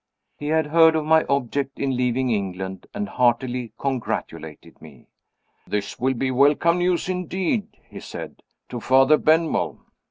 He had heard of my object in leaving England, and heartily congratulated me. "This will be welcome news indeed," he said, "to Father Benwell."